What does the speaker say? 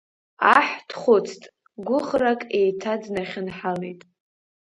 Аҳ дхәыцт, гәыӷрак еиҭа днахьынҳалеит.